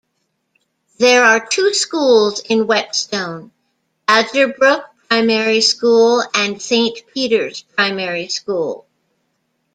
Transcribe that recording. There are two schools in Whetstone: Badgerbrook primary school and Saint Peters primary school.